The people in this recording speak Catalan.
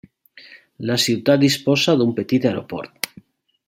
La ciutat disposa d'un petit aeroport.